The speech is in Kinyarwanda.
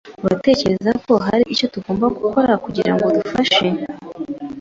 Uratekereza ko hari icyo tugomba gukora kugirango dufashe ?